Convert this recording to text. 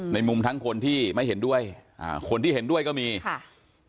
ในมุมทั้งคนที่ไม่เห็นด้วยอ่าคนที่เห็นด้วยก็มีค่ะ